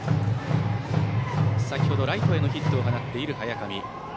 先程ライトへのヒットを放っている早上。